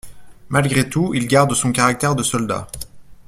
Malgré tout, il garde son caractère de soldat.